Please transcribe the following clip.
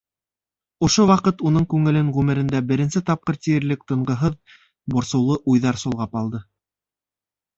Ошо ваҡыт уның күңелен ғүмерендә беренсе тапҡыр тиерлек тынғыһыҙ, борсоулы уйҙар солғап алды.